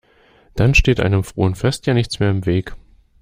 Dann steht einem frohen Fest ja nichts mehr im Weg.